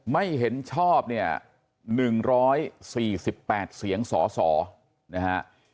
ไม่เห็นชอบเนี่ย๑๔๘เสียงสสนะฮะ